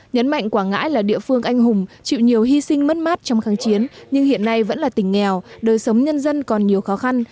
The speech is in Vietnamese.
nhấn mạnh quảng ngãi là địa phương anh hùng chịu nhiều hy sinh mất mát trong kháng chiến nhưng hiện nay vẫn là tỉnh nghèo đời sống nhân dân còn nhiều khó khăn